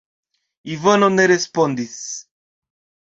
Ivano ne respondis.